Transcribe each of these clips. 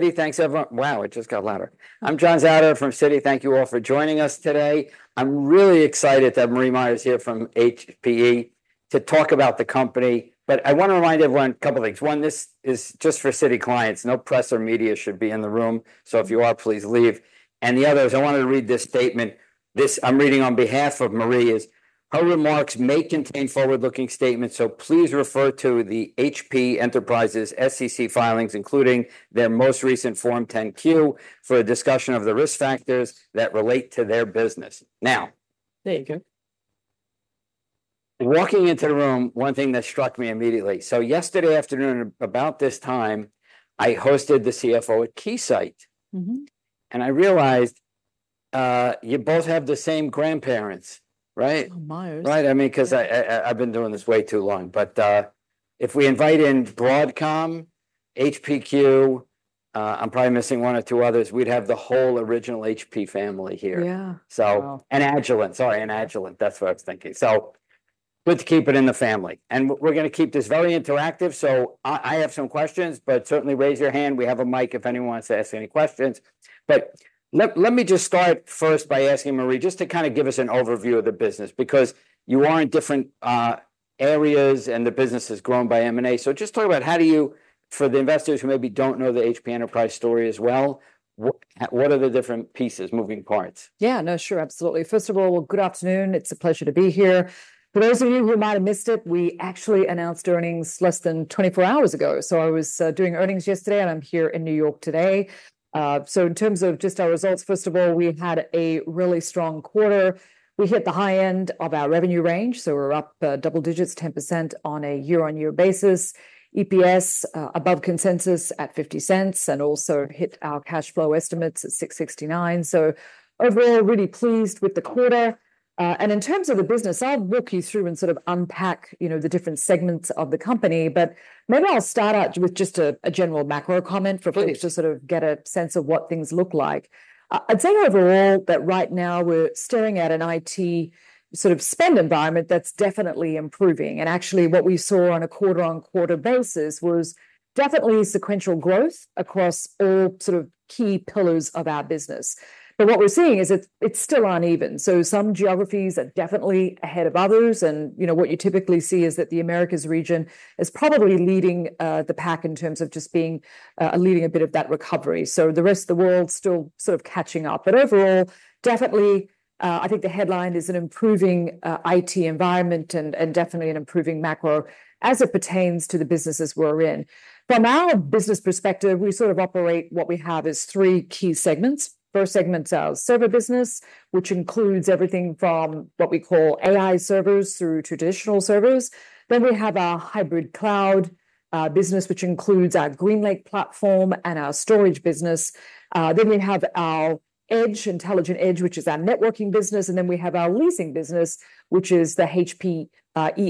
Thanks, wow, it just got louder. I'm Jonathen Zauderer John Zatter. Thank you all for joining us today. I'm really excited that Marie Myers is here from HPE to talk about the company. I wanna remind everyone a couple things. One, this is just for Citi clients. No press or media should be in the room, so if you are, please leave. The other is, I wanted to read this statement. This I'm reading on behalf of Marie, is, "Her remarks may contain forward-looking statements, so please refer to the HPE's SEC filings, including their most recent Form 10-Q, for a discussion of the risk factors that relate to their business." Now- There you go. Walking into the room, one thing that struck me immediately. So yesterday afternoon, about this time, I hosted the CFO at Keysight. Mm-hmm. And I realized, you both have the same grandparents, right? Myers. Right. I mean, 'cause I've been doing this way too long, but if we invite in Broadcom, HPQ, I'm probably missing one or two others, we'd have the whole original HP family here. Yeah. So, and Agilent. Sorry, and Agilent. That's what I was thinking. So let's keep it in the family. And we're gonna keep this very interactive, so I have some questions, but certainly raise your hand. We have a mic if anyone wants to ask any questions. But let me just start first by asking Marie just to kind of give us an overview of the business, because you are in different areas, and the business has grown by M&A. So just talk about how do you, for the investors who maybe don't know the HP Enterprise story as well, what are the different pieces, moving parts? Yeah. No, sure. Absolutely. First of all, good afternoon. It's a pleasure to be here. For those of you who might have missed it, we actually announced earnings less than twenty-four hours ago. So I was doing earnings yesterday, and I'm here in New York today. So in terms of just our results, first of all, we had a really strong quarter. We hit the high end of our revenue range, so we're up double digits, 10% on a year-on-year basis. EPS above consensus at $0.50, and also hit our cash flow estimates at $669 million. So overall, really pleased with the quarter. And in terms of the business, I'll walk you through and sort of unpack, you know, the different segments of the company. But maybe I'll start out with just a general macro comment- Please. For people to sort of get a sense of what things look like. I'd say overall that right now we're staring at an IT sort of spend environment that's definitely improving, and actually, what we saw on a quarter-on-quarter basis was definitely sequential growth across all sort of key pillars of our business, but what we're seeing is it's still uneven, so some geographies are definitely ahead of others, and, you know, what you typically see is that the Americas region is probably leading the pack in terms of just being leading a bit of that recovery, so the rest of the world's still sort of catching up, but overall, definitely, I think the headline is an improving IT environment and, and definitely an improving macro as it pertains to the businesses we're in. From our business perspective, we sort of operate what we have as three key segments. First segment's our server business, which includes everything from what we call AI servers through traditional servers. Then we have our Hybrid Cloud business, which includes our GreenLake platform and our storage business. Then we have our Edge, Intelligent Edge, which is our networking business, and then we have our leasing business, which is the HPE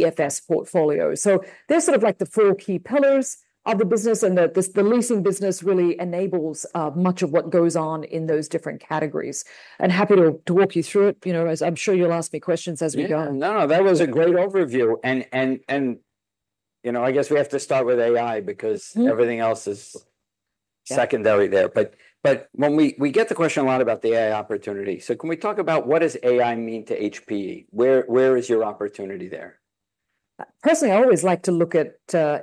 FS portfolio. So they're sort of like the four key pillars of the business, and the leasing business really enables much of what goes on in those different categories. Happy to walk you through it, you know, as I'm sure you'll ask me questions as we go. Yeah. No, that was a great overview. And you know, I guess we have to start with AI- Mm-hmm... because everything else is. Yeah But when we get the question a lot about the AI opportunity. So can we talk about what does AI mean to HPE? Where is your opportunity there? Personally, I always like to look at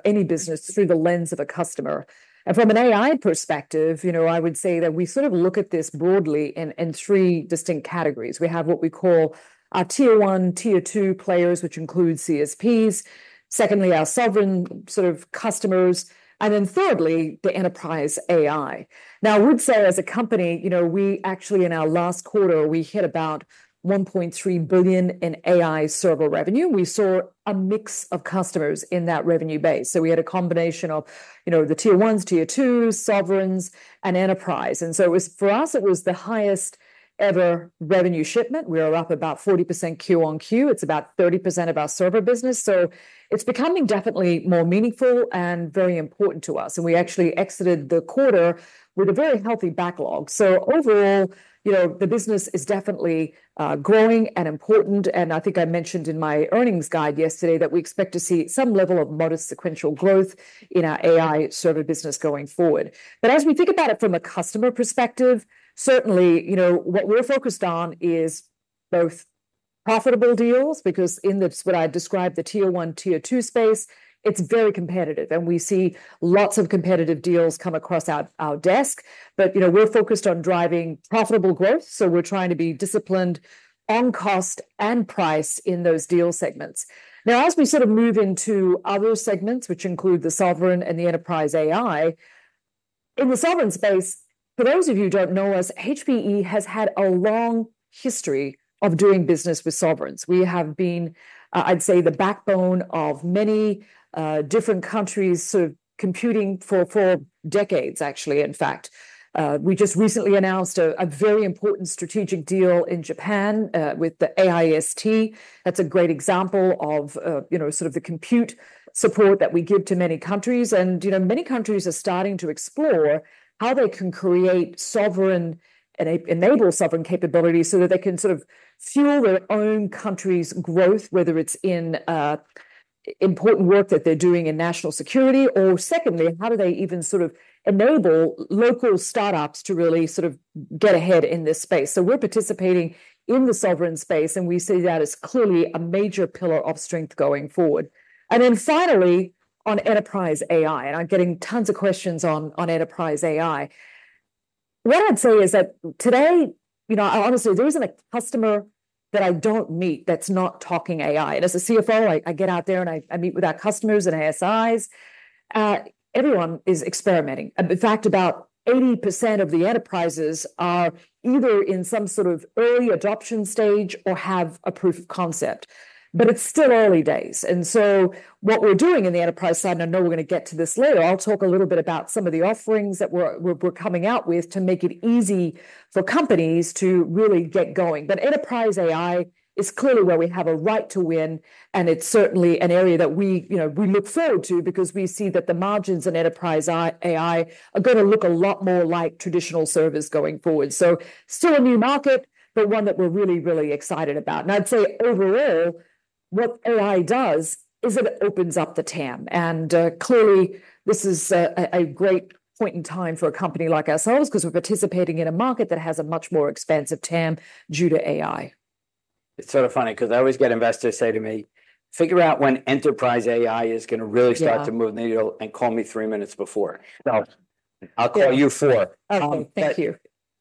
any business through the lens of a customer. From an AI perspective, you know, I would say that we sort of look at this broadly in three distinct categories. We have what we call our Tier One, Tier Two players, which includes CSPs. Secondly, our sovereign sort of customers. And then thirdly, the enterprise AI. Now, I would say as a company, you know, we actually in our last quarter, we hit about $1.3 billion in AI server revenue. We saw a mix of customers in that revenue base, so we had a combination of, you know, the Tier Ones, Tier Two, sovereigns, and enterprise. And so it was, for us, it was the highest ever revenue shipment. We are up about 40% Q-on-Q. It's about 30% of our server business, so it's becoming definitely more meaningful and very important to us, and we actually exited the quarter with a very healthy backlog. So overall, you know, the business is definitely growing and important, and I think I mentioned in my earnings guide yesterday that we expect to see some level of modest sequential growth in our AI server business going forward. But as we think about it from a customer perspective, certainly, you know, what we're focused on is both profitable deals, because in this, what I describe, the Tier One, Tier Two space, it's very competitive, and we see lots of competitive deals come across our desk. But, you know, we're focused on driving profitable growth, so we're trying to be disciplined on cost and price in those deal segments. Now, as we sort of move into other segments, which include the sovereign and the enterprise AI, in the sovereign space, for those of you who don't know us, HPE has had a long history of doing business with sovereigns. We have been, I'd say, the backbone of many, different countries' sort of computing for decades, actually, in fact. We just recently announced a very important strategic deal in Japan, with the AIST. That's a great example of, you know, sort of the compute support that we give to many countries. And, you know, many countries are starting to explore how they can create sovereign AI and enable sovereign AI capabilities so that they can sort of fuel their own country's growth, whether it's in important work that they're doing in national security, or secondly, how do they even sort of enable local startups to really sort of get ahead in this space? So we're participating in the sovereign space, and we see that as clearly a major pillar of strength going forward. And then finally, on enterprise AI, and I'm getting tons of questions on enterprise AI. What I'd say is that today, you know, honestly, there isn't a customer that I don't meet that's not talking AI. And as a CFO, I get out there and I meet with our customers and ASIs. Everyone is experimenting. In fact, about 80% of the enterprises are either in some sort of early adoption stage or have a proof of concept, but it's still early days, and so what we're doing in the enterprise side, and I know we're going to get to this later, I'll talk a little bit about some of the offerings that we're coming out with to make it easy for companies to really get going, but enterprise AI is clearly where we have a right to win, and it's certainly an area that we, you know, we look forward to because we see that the margins in enterprise AI are going to look a lot more like traditional servers going forward, so still a new market, but one that we're really, really excited about, and I'd say overall, what AI does is it opens up the TAM. Clearly this is a great point in time for a company like ourselves because we're participating in a market that has a much more expansive TAM due to AI. It's sort of funny because I always get investors say to me, "Figure out when Enterprise AI is going to really- Yeah... start to move the needle, and call me three minutes before," so I'll call you four. Okay. Thank you.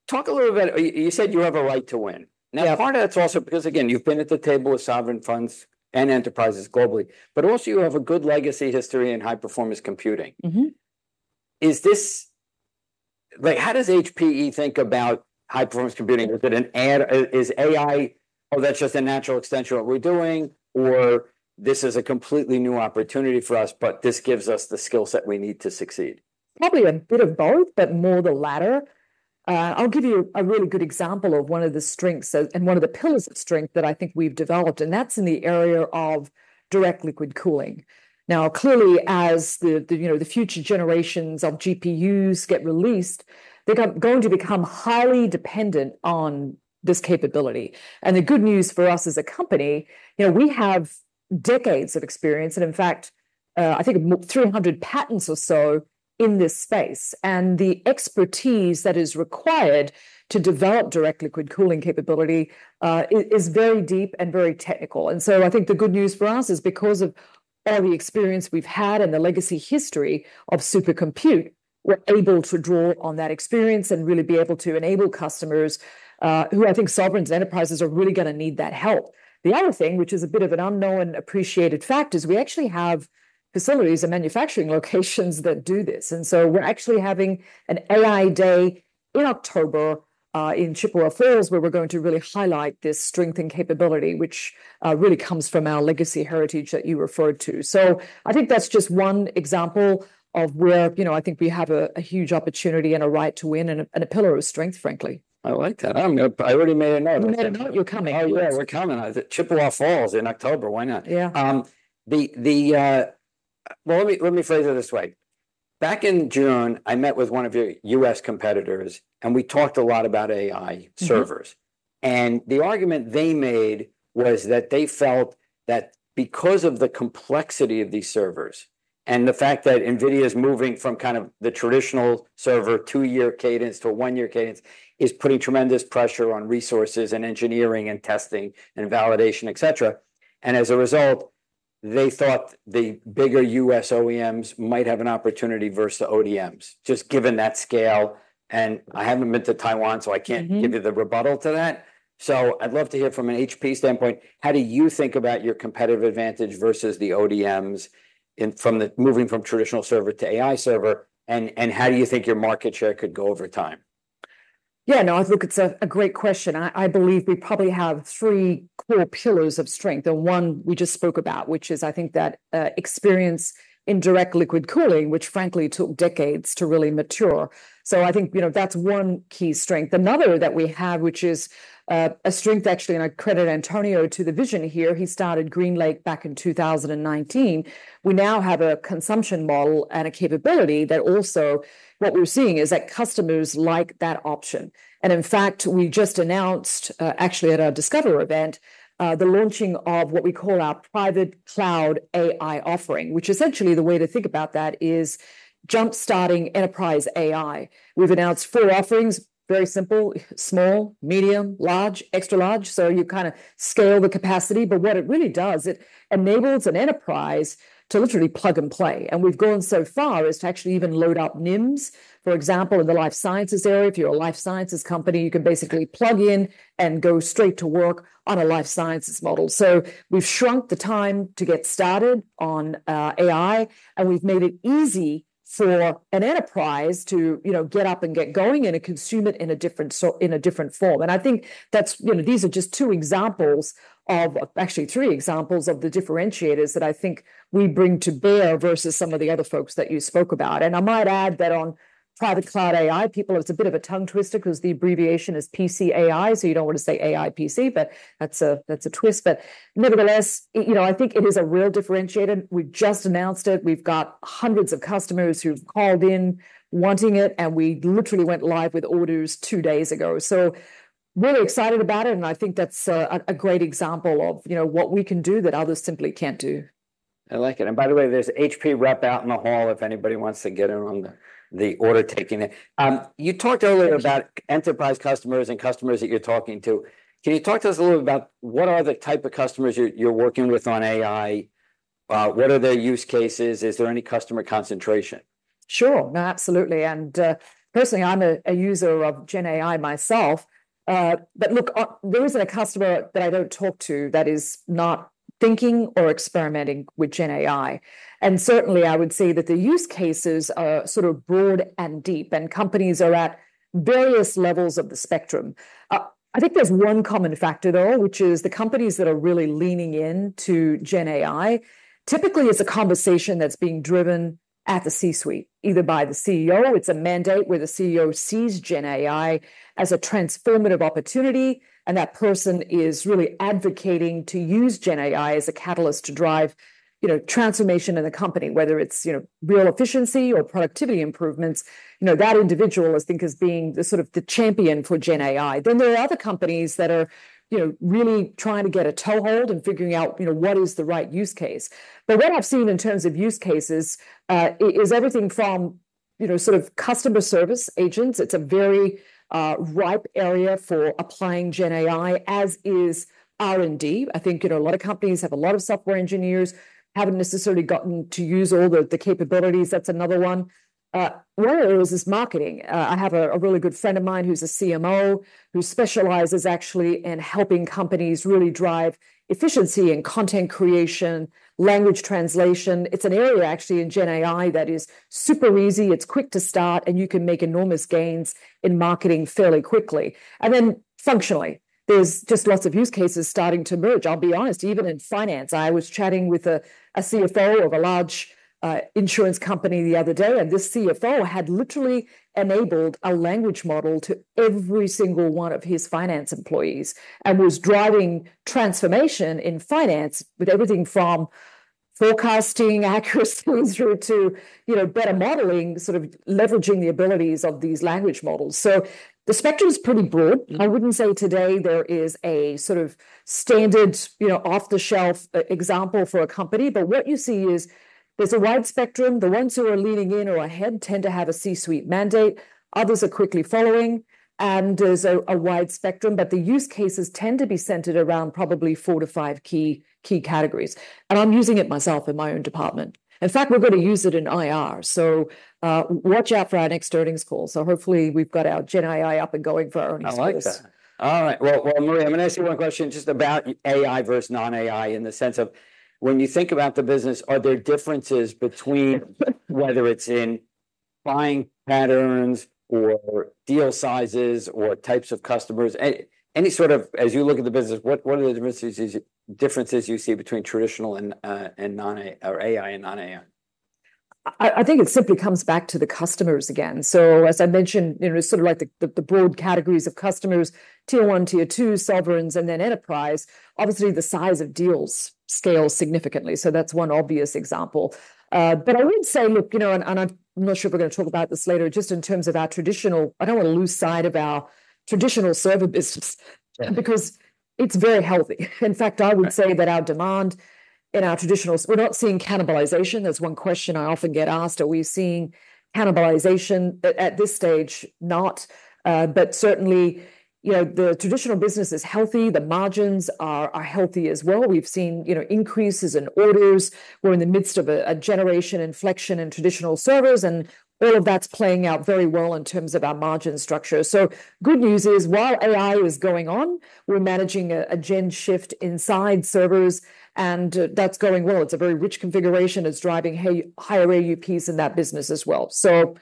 Talk a little bit... You said you have a right to win. Yeah. Now, part of that's also because, again, you've been at the table with sovereign funds and enterprises globally, but also you have a good legacy history in high-performance computing. Mm-hmm. Is this like, how does HPE think about high-performance computing? Is it an add, is AI, "Oh, that's just a natural extension of what we're doing," or, "This is a completely new opportunity for us, but this gives us the skill set we need to succeed? Probably a bit of both, but more the latter. I'll give you a really good example of one of the strengths and one of the pillars of strength that I think we've developed, and that's in the area of direct liquid cooling. Now, clearly, as the you know, the future generations of GPUs get released, they're going to become highly dependent on this capability. And the good news for us as a company, you know, we have decades of experience and, in fact, I think 300 patents or so in this space. And the expertise that is required to develop direct liquid cooling capability is very deep and very technical. And so I think the good news for us is, because of all the experience we've had and the legacy history of super compute, we're able to draw on that experience and really be able to enable customers who I think sovereigns and enterprises are really going to need that help. The other thing, which is a bit of an unknown, appreciated fact, is we actually have facilities and manufacturing locations that do this. And so we're actually having an AI day in October in Chippewa Falls, where we're going to really highlight this strength and capability, which really comes from our legacy heritage that you referred to. So I think that's just one example of where, you know, I think we have a huge opportunity and a right to win and a pillar of strength, frankly. I like that. I'm going to-- I already made a note of that. Made a note. You're coming. Oh, yeah, we're coming. The Chippewa Falls in October. Why not? Yeah. Well, let me phrase it this way. Back in June, I met with one of your U.S. competitors, and we talked a lot about AI. Mm-hmm... servers. And the argument they made was that they felt that because of the complexity of these servers and the fact that NVIDIA is moving from kind of the traditional server two-year cadence to a one-year cadence, is putting tremendous pressure on resources and engineering and testing and validation, et cetera. And as a result, they thought the bigger US OEMs might have an opportunity versus the ODMs, just given that scale. And I haven't been to Taiwan, so I can't- Mm-hmm... give you the rebuttal to that. So I'd love to hear from an HPE standpoint, how do you think about your competitive advantage versus the ODMs in moving from traditional server to AI server, and how do you think your market share could go over time? Yeah, no, I think it's a great question. I believe we probably have three core pillars of strength, and one we just spoke about, which is, I think, that experience in direct liquid cooling, which frankly took decades to really mature. So I think, you know, that's one key strength. Another that we have, which is a strength actually, and I credit Antonio to the vision here, he started GreenLake back in 2019. We now have a consumption model and a capability that also what we're seeing is that customers like that option. And in fact, we just announced, actually at our Discover event, the launching of what we call our Private Cloud AI offering, which essentially the way to think about that is jumpstarting enterprise AI. We've announced four offerings, very simple: small, medium, large, extra large. So you kind of scale the capacity, but what it really does, it enables an enterprise to literally plug and play. And we've gone so far as to actually even load up NIMs. For example, in the life sciences area, if you're a life sciences company, you can basically plug in and go straight to work on a life sciences model. So we've shrunk the time to get started on AI, and we've made it easy for an enterprise to, you know, get up and get going and to consume it in a different form. And I think that's, you know, these are just two examples of actually, three examples of the differentiators that I think we bring to bear versus some of the other folks that you spoke about. I might add that on Private Cloud AI, people, it's a bit of a tongue twister because the abbreviation is PCAI, so you don't want to say AI PC, but that's a twist. But nevertheless, you know, I think it is a real differentiator. We've just announced it. We've got hundreds of customers who've called in wanting it, and we literally went live with orders two days ago. So really excited about it, and I think that's a great example of, you know, what we can do that others simply can't do. I like it, and by the way, there's an HP rep out in the hall if anybody wants to get in on the order taking it. You talked earlier about enterprise customers and customers that you're talking to. Can you talk to us a little about what are the type of customers you're working with on AI? What are their use cases? Is there any customer concentration?... Sure. No, absolutely, and personally, I'm a user of GenAI myself. But look, there isn't a customer that I don't talk to that is not thinking or experimenting with GenAI, and certainly I would say that the use cases are sort of broad and deep, and companies are at various levels of the spectrum. I think there's one common factor, though, which is the companies that are really leaning into GenAI. Typically, it's a conversation that's being driven at the C-suite, either by the CEO. It's a mandate where the CEO sees GenAI as a transformative opportunity, and that person is really advocating to use GenAI as a catalyst to drive, you know, transformation in the company, whether it's, you know, real efficiency or productivity improvements. You know, that individual is think as being the sort of champion for GenAI. Then there are other companies that are, you know, really trying to get a toehold and figuring out, you know, what is the right use case. But what I've seen in terms of use cases is everything from, you know, sort of customer service agents. It's a very ripe area for applying GenAI, as is R&D. I think, you know, a lot of companies have a lot of software engineers, haven't necessarily gotten to use all the capabilities. That's another one. One of the areas is marketing. I have a really good friend of mine who's a CMO, who specializes actually in helping companies really drive efficiency and content creation, language translation. It's an area actually in GenAI that is super easy, it's quick to start, and you can make enormous gains in marketing fairly quickly. And then functionally, there's just lots of use cases starting to merge. I'll be honest, even in finance, I was chatting with a CFO of a large insurance company the other day, and this CFO had literally enabled a language model to every single one of his finance employees and was driving transformation in finance with everything from forecasting accuracy through to, you know, better modeling, sort of leveraging the abilities of these language models. So the spectrum is pretty broad. I wouldn't say today there is a sort of standard, you know, off-the-shelf example for a company. But what you see is there's a wide spectrum. The ones who are leaning in or ahead tend to have a C-suite mandate. Others are quickly following, and there's a wide spectrum, but the use cases tend to be centered around probably four to five key categories, and I'm using it myself in my own department. In fact, we're going to use it in IR, so watch out for our next earnings call, so hopefully we've got our GenAI up and going for our next call. I like that. All right. Well, Marie, I'm going to ask you one question just about AI versus non-AI, in the sense of when you think about the business, are there differences between... whether it's in buying patterns or deal sizes or types of customers, any sort of -- as you look at the business, what are the differences you see between traditional and non-AI or AI and non-AI? I think it simply comes back to the customers again. So as I mentioned, you know, sort of like the broad categories of customers, tier one, tier two, sovereigns, and then enterprise. Obviously, the size of deals scales significantly, so that's one obvious example. But I would say, look, you know, and I'm not sure if we're going to talk about this later, just in terms of our traditional - I don't want to lose sight of our traditional server business - Yeah... because it's very healthy. In fact, I would say- Right... that our demand in our traditional, we're not seeing cannibalization. That's one question I often get asked, are we seeing cannibalization? At this stage, not, but certainly, you know, the traditional business is healthy. The margins are healthy as well. We've seen, you know, increases in orders. We're in the midst of a generation inflection in traditional servers, and all of that's playing out very well in terms of our margin structure. So good news is, while AI is going on, we're managing a gen shift inside servers, and that's going well. It's a very rich configuration. It's driving higher AUPs in that business as well. So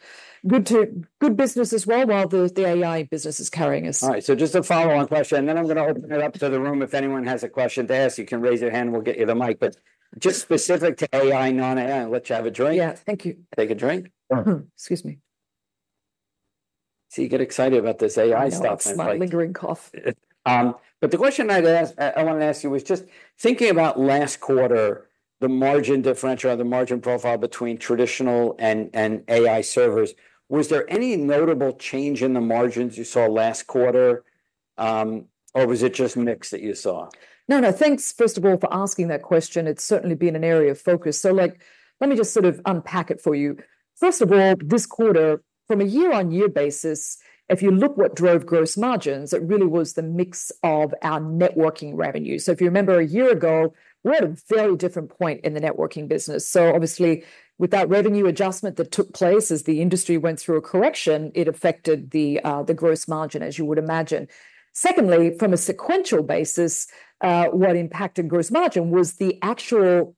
good business as well, while the AI business is carrying us. All right, so just a follow-on question, and then I'm gonna open it up to the room. If anyone has a question to ask, you can raise your hand, and we'll get you the mic. But just specific to AI, non-AI, why don't you have a drink? Yeah, thank you. Take a drink. Mm-hmm. Excuse me. See, you get excited about this AI stuff, and like- I know. I smile and drink cough. But the question I gonna ask I want to ask you was just thinking about last quarter, the margin differential, the margin profile between traditional and AI servers. Was there any notable change in the margins you saw last quarter, or was it just mix that you saw? No, no. Thanks, first of all, for asking that question. It's certainly been an area of focus. So, like, let me just sort of unpack it for you. First of all, this quarter, from a year-on-year basis, if you look what drove gross margins, it really was the mix of our networking revenue. So if you remember, a year ago, we were at a very different point in the networking business. So obviously, with that revenue adjustment that took place as the industry went through a correction, it affected the gross margin, as you would imagine. Secondly, from a sequential basis, what impacted gross margin was the actual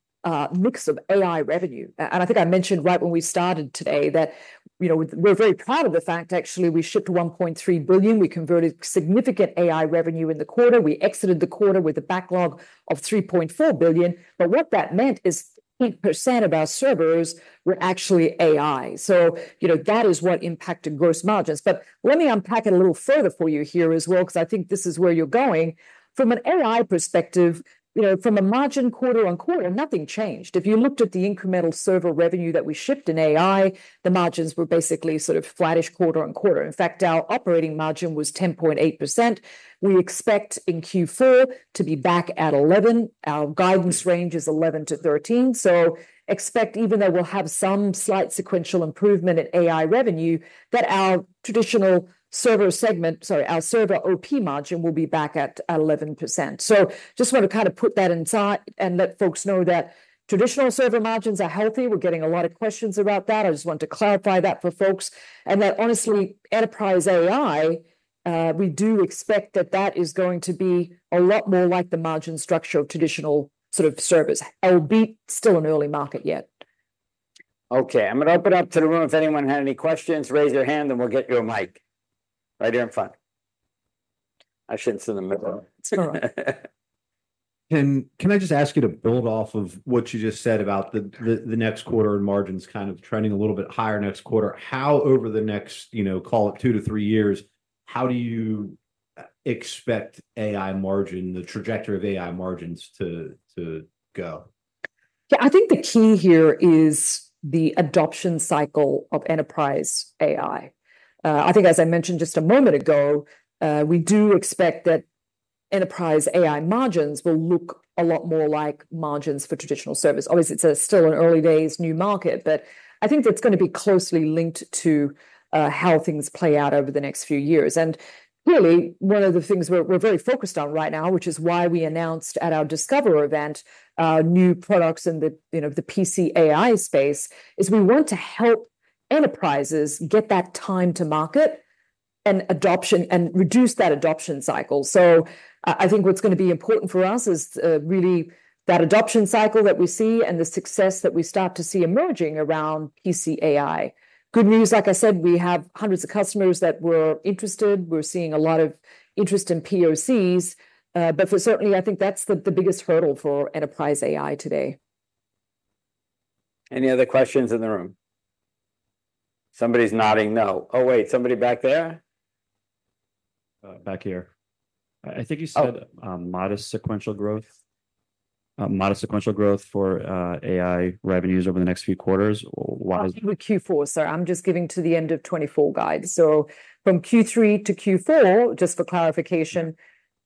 mix of AI revenue. And I think I mentioned right when we started today that, you know, we're very proud of the fact actually we shipped $1.3 billion. We converted significant AI revenue in the quarter. We exited the quarter with a backlog of $3.4 billion, but what that meant is 8% of our servers were actually AI. So, you know, that is what impacted gross margins. But let me unpack it a little further for you here as well, because I think this is where you're going. From an AI perspective, you know, from a margin quarter on quarter, nothing changed. If you looked at the incremental server revenue that we shipped in AI, the margins were basically sort of flattish quarter on quarter. In fact, our operating margin was 10.8%. We expect in Q4 to be back at 11%. Our guidance range is 11%-13%, so expect even though we'll have some slight sequential improvement in AI revenue, that our traditional server segment, sorry, our server OP margin will be back at eleven percent. So just want to kind of put that insight and let folks know that traditional server margins are healthy. We're getting a lot of questions about that. I just wanted to clarify that for folks. And that honestly, enterprise AI, we do expect that is going to be a lot more like the margin structure of traditional sort of servers, albeit still an early market yet.... Okay, I'm gonna open up to the room. If anyone had any questions, raise your hand, and we'll get you a mic. Right here in front. I shouldn't sit in the middle. It's all right. Can I just ask you to build off of what you just said about the next quarter and margins kind of trending a little bit higher next quarter? How over the next, you know, call it two to three years, how do you expect AI margin, the trajectory of AI margins to go? Yeah, I think the key here is the adoption cycle of enterprise AI. I think as I mentioned just a moment ago, we do expect that enterprise AI margins will look a lot more like margins for traditional service. Obviously, it's still an early days new market, but I think that's gonna be closely linked to how things play out over the next few years, and really, one of the things we're very focused on right now, which is why we announced at our Discover event, new products in the, you know, the PCAI space, is we want to help enterprises get that time to market and adoption, and reduce that adoption cycle, so I think what's gonna be important for us is really that adoption cycle that we see and the success that we start to see emerging around PCAI. Good news, like I said, we have hundreds of customers that we're interested. We're seeing a lot of interest in POCs, but certainly I think that's the biggest hurdle for enterprise AI today. Any other questions in the room? Somebody's nodding no. Oh, wait, somebody back there? Back here. Oh. I think you said modest sequential growth for AI revenues over the next few quarters. What is- I think with Q4, sir. I'm just giving the end of 2024 guide. So from Q3 to Q4, just for clarification,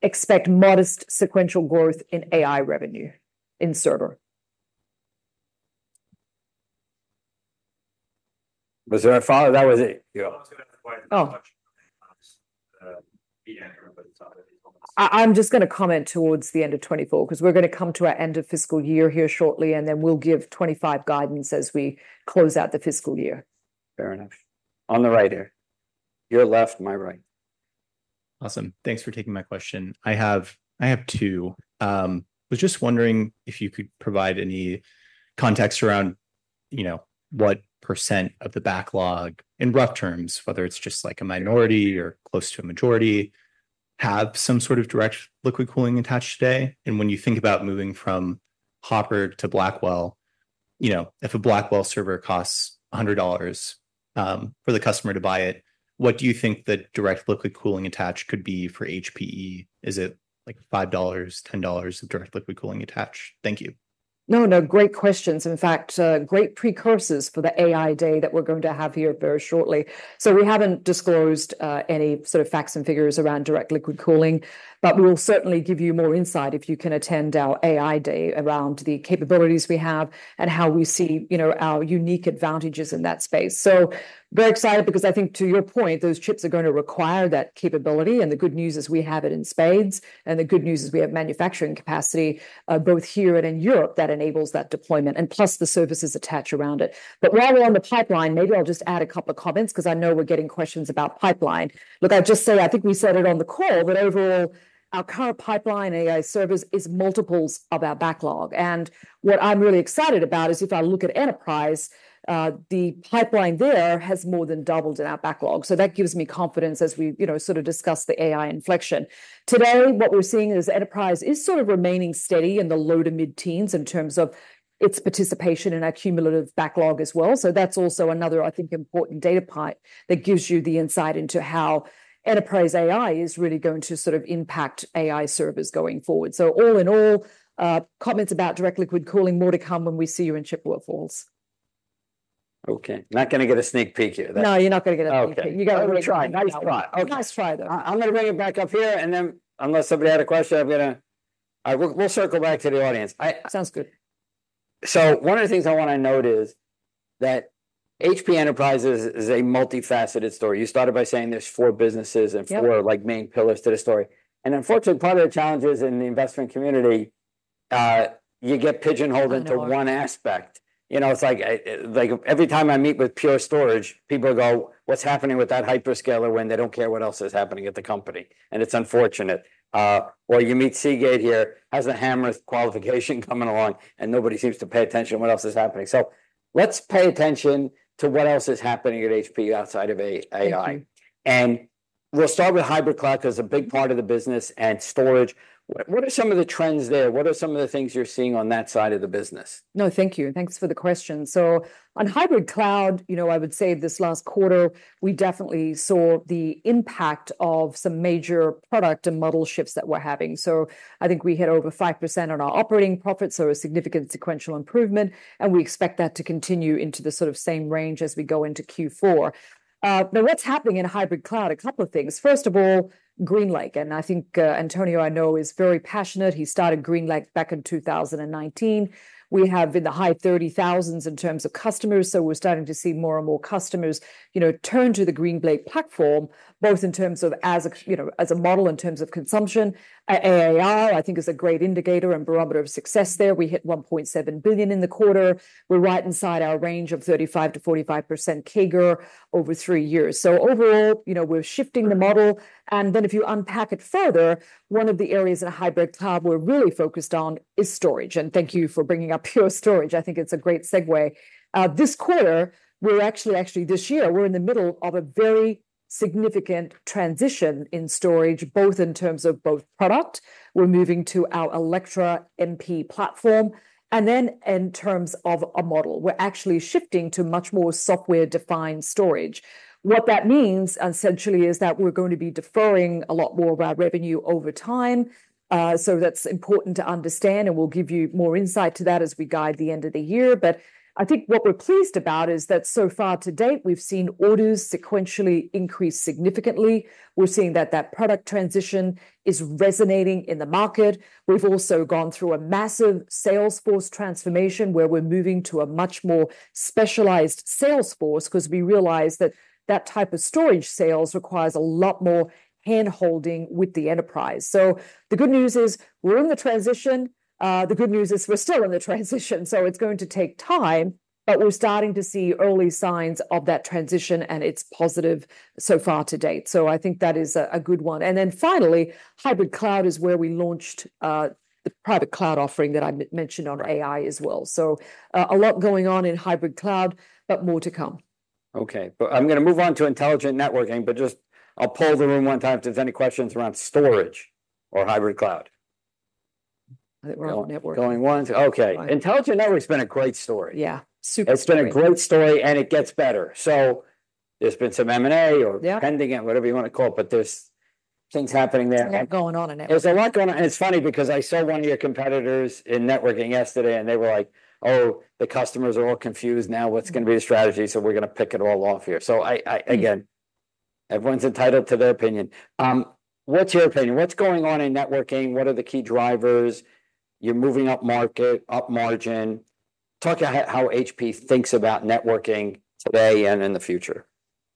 expect modest sequential growth in AI revenue, in server. Was there a follow...? That was it. Yeah. Oh. Yeah, everybody's- I'm just gonna comment towards the end of 2024, 'cause we're gonna come to our end of fiscal year here shortly, and then we'll give 2025 guidance as we close out the fiscal year. Fair enough. On the right here. Your left, my right. Awesome. Thanks for taking my question. I have two. Was just wondering if you could provide any context around, you know, what % of the backlog, in rough terms, whether it's just, like, a minority or close to a majority, have some sort of direct liquid cooling attached today? And when you think about moving from Hopper to Blackwell, you know, if a Blackwell server costs $100, for the customer to buy it, what do you think the direct liquid cooling attached could be for HPE? Is it, like, $5, $10 of direct liquid cooling attached? Thank you. No, no, great questions. In fact, great precursors for the AI Day that we're going to have here very shortly. So we haven't disclosed any sort of facts and figures around direct liquid cooling, but we will certainly give you more insight if you can attend our AI Day around the capabilities we have and how we see, you know, our unique advantages in that space. So very excited, because I think, to your point, those chips are gonna require that capability, and the good news is we have it in spades, and the good news is we have manufacturing capacity both here and in Europe, that enables that deployment, and plus the services attached around it. But while we're on the pipeline, maybe I'll just add a couple of comments, 'cause I know we're getting questions about pipeline. Look, I'll just say, I think we said it on the call, but overall, our current pipeline AI servers is multiples of our backlog, and what I'm really excited about is, if I look at enterprise, the pipeline there has more than doubled in our backlog, so that gives me confidence as we, you know, sort of discuss the AI inflection. Today, what we're seeing is enterprise is sort of remaining steady in the low to mid-teens in terms of its participation in our cumulative backlog as well, so that's also another, I think, important data point that gives you the insight into how enterprise AI is really going to sort of impact AI servers going forward, so all in all, comments about direct liquid cooling, more to come when we see you in Chippewa Falls. Okay. Not gonna get a sneak peek here, though? No, you're not gonna get a sneak peek. Okay. You got a- I'm gonna try. Nice try. Nice try, though. I'm gonna bring it back up here, and then, unless somebody had a question, I'm gonna... We'll circle back to the audience. I- Sounds good. So one of the things I wanna note is that Hewlett Packard Enterprise is a multifaceted story. You started by saying there's four businesses- Yep... and four, like, main pillars to the story. And unfortunately, part of the challenges in the investment community, you get pigeonholed- Oh, Lord... into one aspect. You know, it's like, like, every time I meet with Pure Storage, people go, "What's happening with that hyperscaler?" When they don't care what else is happening at the company, and it's unfortunate. Or you meet Seagate here, has a HAMR qualification coming along, and nobody seems to pay attention to what else is happening. So let's pay attention to what else is happening at HPE outside of AI. Thank you.... We'll start with Hybrid Cloud, 'cause a big part of the business and storage. What are some of the trends there? What are some of the things you're seeing on that side of the business? No, thank you. Thanks for the question. So on Hybrid Cloud, you know, I would say this last quarter, we definitely saw the impact of some major product and model shifts that we're having. So I think we hit over 5% on our operating profits, so a significant sequential improvement, and we expect that to continue into the sort of same range as we go into Q4. Now, what's happening in Hybrid Cloud? A couple of things. First of all, GreenLake, and I think, Antonio, I know, is very passionate. He started GreenLake back in 2019. We have in the high 30,000s in terms of customers, so we're starting to see more and more customers, you know, turn to the GreenLake platform, both in terms of as a, you know, as a model in terms of consumption. AI, I think, is a great indicator and barometer of success there. We hit $1.7 billion in the quarter. We're right inside our range of 35%-45% CAGR over three years. So overall, you know, we're shifting the model, and then if you unpack it further, one of the areas in Hybrid Cloud we're really focused on is storage, and thank you for bringing up Pure Storage. I think it's a great segue. Actually, this year, we're in the middle of a very significant transition in storage, both in terms of product, we're moving to our Alletra MP platform, and then in terms of a model. We're actually shifting to much more software-defined storage. What that means, essentially, is that we're going to be deferring a lot more of our revenue over time. So that's important to understand, and we'll give you more insight to that as we guide the end of the year. But I think what we're pleased about is that so far to date, we've seen orders sequentially increase significantly. We're seeing that the product transition is resonating in the market. We've also gone through a massive sales force transformation, where we're moving to a much more specialized sales force, 'cause we realize that the type of storage sales requires a lot more hand-holding with the enterprise. So the good news is, we're in the transition. The good news is we're still in the transition, so it's going to take time, but we're starting to see early signs of that transition, and it's positive so far to date, so I think that is a good one. And then finally, Hybrid Cloud is where we launched the private cloud offering that I mentioned on AI as well. So, a lot going on in Hybrid Cloud, but more to come. Okay, but I'm gonna move on to Intelligent Edgeing. But just, I'll poll the room one time if there's any questions around storage or Hybrid Cloud? I think we're all networking. Going once. Okay. Fine. Intelligent network's been a great story. Yeah, super story. It's been a great story, and it gets better. So there's been some M&A or- Yeah... pending, and whatever you wanna call it, but there's things happening there, and- There's a lot going on in networking. There's a lot going on, and it's funny because I saw one of your competitors in networking yesterday, and they were like, "Oh, the customers are all confused now. What's gonna be the strategy?" So we're gonna pick it all off here. So again, everyone's entitled to their opinion. What's your opinion? What's going on in networking? What are the key drivers? You're moving up market, up margin. Talk about how HPE thinks about networking today and in the future.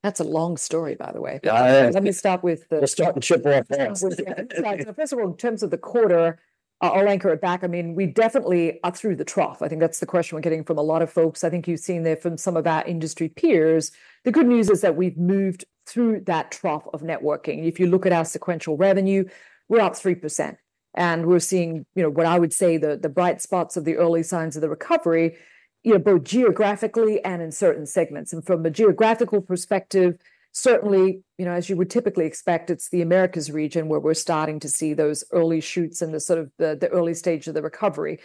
That's a long story, by the way. Yeah, it is. Let me start with the- We'll start and chip away fast. Yeah. So first of all, in terms of the quarter, I'll anchor it back. I mean, we definitely are through the trough. I think that's the question we're getting from a lot of folks. I think you've seen it from some of our industry peers. The good news is that we've moved through that trough of networking. If you look at our sequential revenue, we're up 3%, and we're seeing, you know, what I would say the bright spots of the early signs of the recovery, you know, both geographically and in certain segments. And from a geographical perspective, certainly, you know, as you would typically expect, it's the Americas region, where we're starting to see those early shoots and the sort of early stage of the recovery.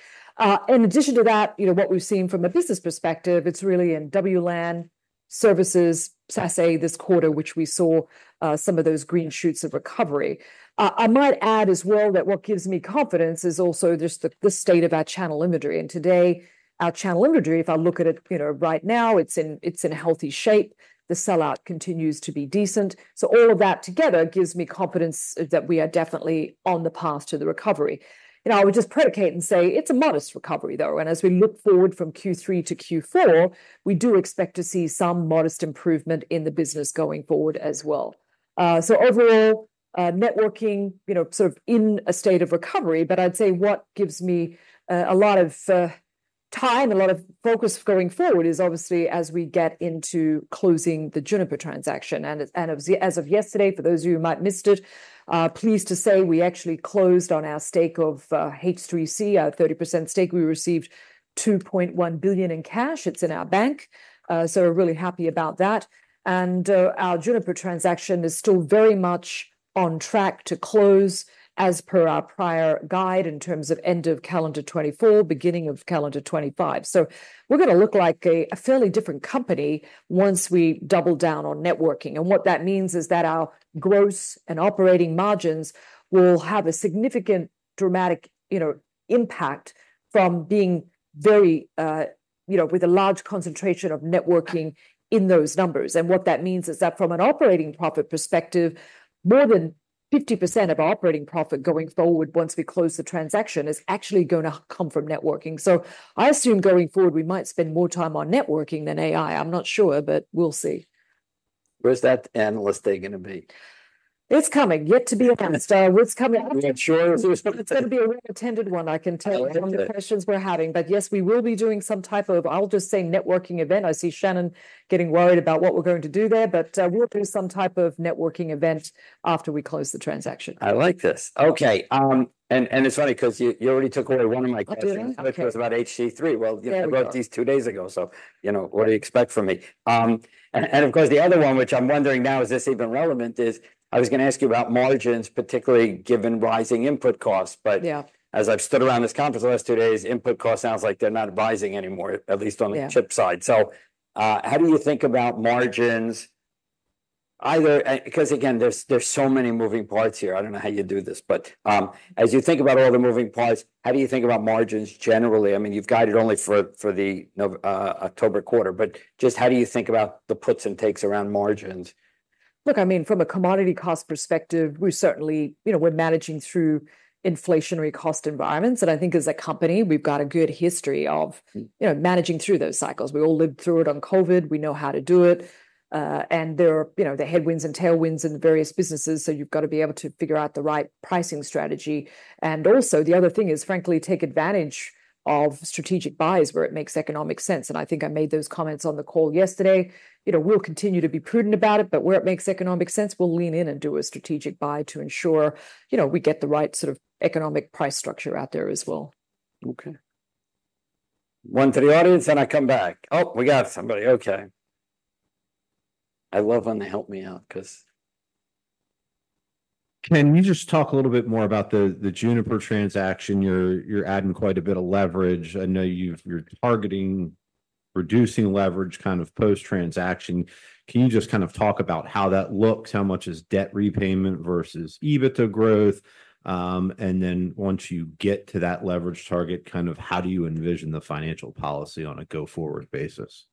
In addition to that, you know, what we've seen from a business perspective, it's really in WLAN services, SASE, this quarter, which we saw some of those green shoots of recovery. I might add as well that what gives me confidence is also just the state of our channel inventory. And today, our channel inventory, if I look at it, you know, right now, it's in healthy shape. The sell-out continues to be decent. So all of that together gives me confidence that we are definitely on the path to the recovery. You know, I would just predicate and say it's a modest recovery, though, and as we look forward from Q3 to Q4, we do expect to see some modest improvement in the business going forward as well. So overall, networking, you know, sort of in a state of recovery, but I'd say what gives me a lot of time, a lot of focus going forward is obviously as we get into closing the Juniper transaction, and as of yesterday, for those of you who might missed it, pleased to say, we actually closed on our stake of H3C, our 30% stake. We received $2.1 billion in cash. It's in our bank. So we're really happy about that. And our Juniper transaction is still very much on track to close, as per our prior guide, in terms of end of calendar 2024, beginning of calendar 2025. We're gonna look like a fairly different company once we double down on networking, and what that means is that our gross and operating margins will have a significant, dramatic, you know, impact from being very, you know, with a large concentration of networking in those numbers. And what that means is that from an operating profit perspective, more than 50% of operating profit going forward, once we close the transaction, is actually gonna come from networking. So I assume going forward, we might spend more time on networking than AI. I'm not sure, but we'll see. Where's that analyst day gonna be? It's coming, yet to be announced. It's coming- Are we sure there's gonna be? It's gonna be a well-attended one, I can tell- I like that.... from the questions we're having. But yes, we will be doing some type of, I'll just say, networking event. I see Shannon getting worried about what we're going to do there, but we'll do some type of networking event after we close the transaction. I like this. Okay, and it's funny 'cause you already took away one of my questions- Oh, did I? Okay.... which was about H3C. There we are. You wrote these two days ago, so, you know, what do you expect from me? Of course, the other one, which I'm wondering now is this even relevant? I was gonna ask you about margins, particularly given rising input costs, but- Yeah... as I've stood around this conference the last two days, input costs sounds like they're not rising anymore, at least on the- Yeah... chip side. So, how do you think about margins?... either, 'cause again, there's so many moving parts here. I don't know how you do this, but, as you think about all the moving parts, how do you think about margins generally? I mean, you've guided only for the Nov- October quarter, but just how do you think about the puts and takes around margins? Look, I mean, from a commodity cost perspective, we're certainly... You know, we're managing through inflationary cost environments, and I think as a company, we've got a good history of- Mm... you know, managing through those cycles. We all lived through it on COVID. We know how to do it. And there are, you know, the headwinds and tailwinds in the various businesses, so you've got to be able to figure out the right pricing strategy. And also, the other thing is, frankly, take advantage of strategic buys where it makes economic sense, and I think I made those comments on the call yesterday. You know, we'll continue to be prudent about it, but where it makes economic sense, we'll lean in and do a strategic buy to ensure, you know, we get the right sort of economic price structure out there as well. Okay. One to the audience, then I come back. Oh, we got somebody. Okay. I love when they help me out, 'cause- Can you just talk a little bit more about the Juniper transaction? You're adding quite a bit of leverage. I know you're targeting reducing leverage kind of post-transaction. Can you just kind of talk about how that looks? How much is debt repayment versus EBITDA growth? And then once you get to that leverage target, kind of how do you envision the financial policy on a go-forward basis?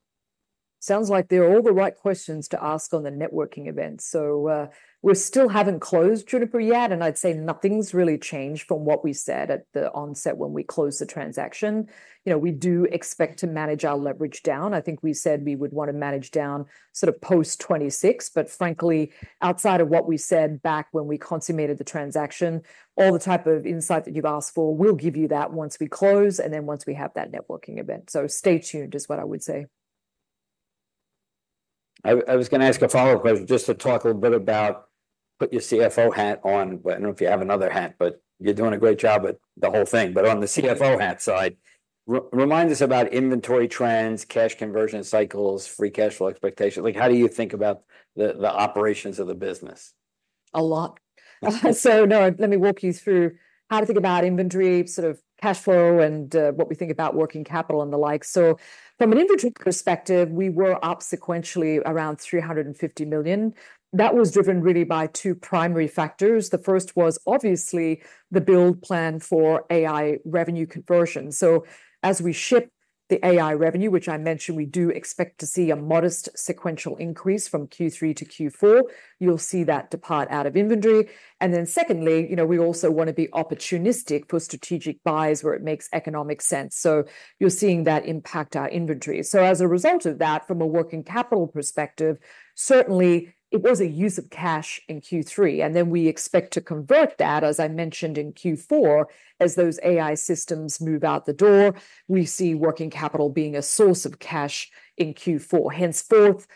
Sounds like they're all the right questions to ask on the networking event. So, we still haven't closed Juniper yet, and I'd say nothing's really changed from what we said at the onset when we closed the transaction. You know, we do expect to manage our leverage down. I think we said we would want to manage down sort of post 2026, but frankly, outside of what we said back when we consummated the transaction, all the type of insight that you've asked for, we'll give you that once we close, and then once we have that networking event. So stay tuned is what I would say. I was gonna ask a follow-up question, just to talk a little bit about, put your CFO hat on. But I don't know if you have another hat, but you're doing a great job with the whole thing. But on the CFO hat side, remind us about inventory trends, cash conversion cycles, free cash flow expectations. Like, how do you think about the operations of the business? A lot. So, no, let me walk you through how to think about inventory, sort of cash flow, and what we think about working capital and the like. So from an inventory perspective, we were up sequentially around $350 million. That was driven really by two primary factors. The first was obviously the build plan for AI revenue conversion. So as we ship the AI revenue, which I mentioned, we do expect to see a modest sequential increase from Q3 to Q4, you'll see that depart out of inventory. And then secondly, you know, we also wanna be opportunistic for strategic buys where it makes economic sense. So you're seeing that impact our inventory. So as a result of that, from a working capital perspective, certainly it was a use of cash in Q3, and then we expect to convert that, as I mentioned, in Q4. As those AI systems move out the door, we see working capital being a source of cash in Q4. Henceforth,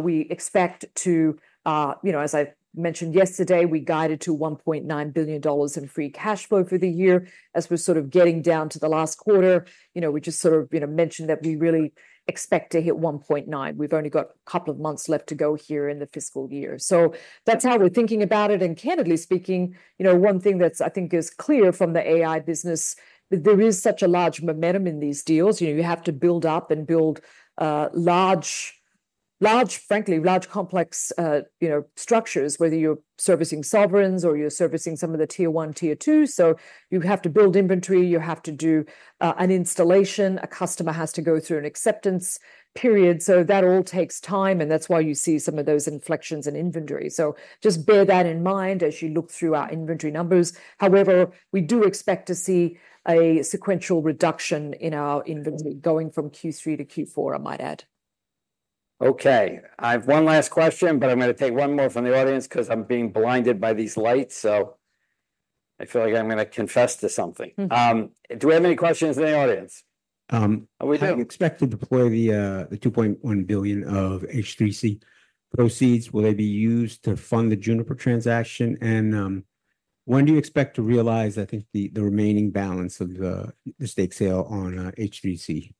we expect to. You know, as I mentioned yesterday, we guided to $1.9 billion in free cash flow for the year. As we're sort of getting down to the last quarter, you know, we just sort of, you know, mentioned that we really expect to hit $1.9. We've only got a couple of months left to go here in the fiscal year. So that's how we're thinking about it. And candidly speaking, you know, one thing that's I think is clear from the AI business, there is such a large momentum in these deals. You know, you have to build up and build large, frankly, complex, you know, structures, whether you're servicing sovereigns or you're servicing some of the Tier One, Tier Two. So you have to build inventory, you have to do an installation. A customer has to go through an acceptance period, so that all takes time, and that's why you see some of those inflections in inventory. So just bear that in mind as you look through our inventory numbers. However, we do expect to see a sequential reduction in our inventory going from Q3 to Q4, I might add. Okay, I have one last question, but I'm gonna take one more from the audience 'cause I'm being blinded by these lights, so I feel like I'm gonna confess to something. Do we have any questions in the audience? Um- Oh, we do. How do you expect to deploy the $2.1 billion of H3C proceeds? Will they be used to fund the Juniper transaction? And, when do you expect to realize, I think, the remaining balance of the stake sale on H3C?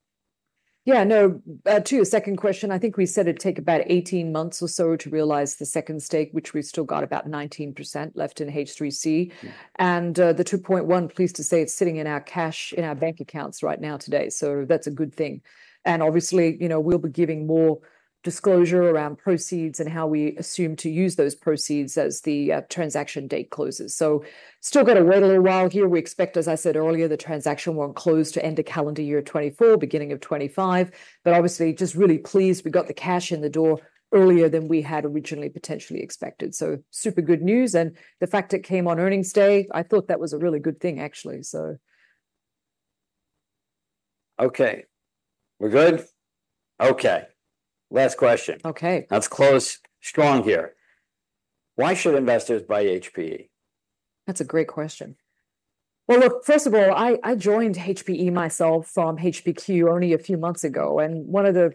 Yeah, no, to your second question, I think we said it'd take about 18 months or so to realize the second stake, which we've still got about 19% left in H3C. Yeah. The 2.1, pleased to say, it's sitting in our cash in our bank accounts right now today. So that's a good thing. Obviously, you know, we'll be giving more disclosure around proceeds and how we assume to use those proceeds as the transaction date closes. Still got a ride a while here. We expect, as I said earlier, the transaction won't close till end of calendar year 2024, beginning of 2025. Obviously, just really pleased we got the cash in the door earlier than we had originally potentially expected. Super good news, and the fact it came on earnings day, I thought that was a really good thing, actually, so... Okay, we're good? Okay, last question. Okay. Let's close strong here. Why should investors buy HPE? That's a great question. Well, look, first of all, I joined HPE myself from HPQ only a few months ago, and one of the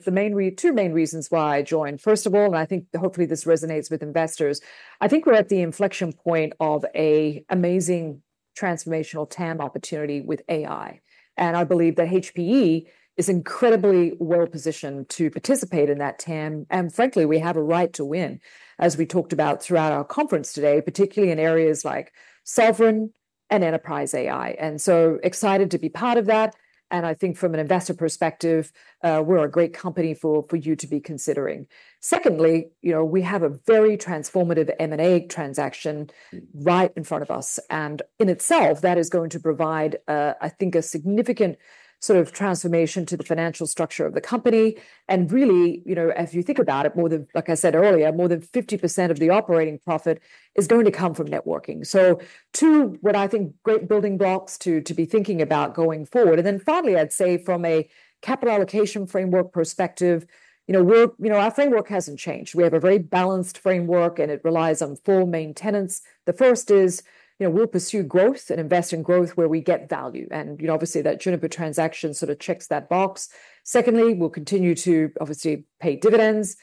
two main reasons why I joined, first of all, and I think hopefully this resonates with investors, I think we're at the inflection point of an amazing transformational TAM opportunity with AI, and I believe that HPE is incredibly well-positioned to participate in that TAM. And frankly, we have a right to win, as we talked about throughout our conference today, particularly in areas like sovereign AI and enterprise AI. And so excited to be part of that, and I think from an investor perspective, we're a great company for you to be considering. Secondly, you know, we have a very transformative M&A transaction right in front of us, and in itself, that is going to provide, I think, a significant sort of transformation to the financial structure of the company. And really, you know, as you think about it, more than, like I said earlier, more than 50% of the operating profit is going to come from networking. So two, what I think, great building blocks to be thinking about going forward. And then finally, I'd say from a capital allocation framework perspective, you know, we're, you know, our framework hasn't changed. We have a very balanced framework, and it relies on four main tenets. The first is, you know, we'll pursue growth and invest in growth where we get value, and, you know, obviously, that Juniper transaction sort of checks that box. Secondly, we'll continue to obviously pay dividends.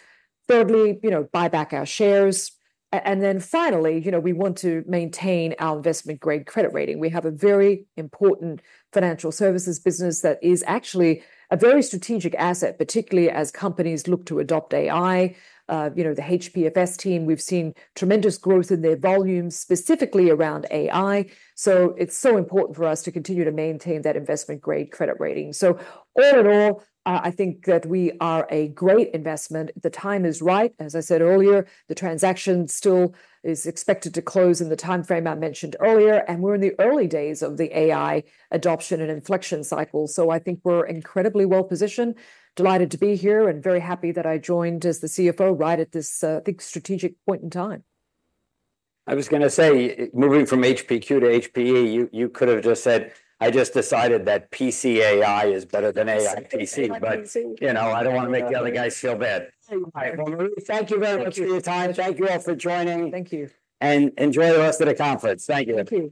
Thirdly, you know, buy back our shares. And then finally, you know, we want to maintain our investment-grade credit rating. We have a very important financial services business that is actually a very strategic asset, particularly as companies look to adopt AI. You know, the HPFS team, we've seen tremendous growth in their volumes, specifically around AI, so it's so important for us to continue to maintain that investment-grade credit rating. So all in all, I think that we are a great investment. The time is right. As I said earlier, the transaction still is expected to close in the timeframe I mentioned earlier, and we're in the early days of the AI adoption and inflection cycle, so I think we're incredibly well-positioned. Delighted to be here, and very happy that I joined as the CFO right at this big strategic point in time. I was gonna say, moving from HPQ to HPE, you could have just said, "I just decided that PCAI is better than AI PC- Better than AI PC.... but, you know, I don't wanna make the other guys feel bad. Right. Well, Marie, thank you very much for your time. Thank you. Thank you all for joining. Thank you. Enjoy the rest of the conference. Thank you.